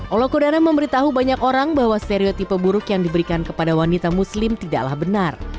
olokodana memberitahu banyak orang bahwa stereotipe buruk yang diberikan kepada wanita muslim tidaklah benar